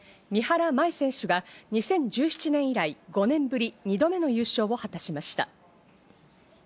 三原舞依選手が２０１７年以来、５年ぶり２度目の優勝を果たしました。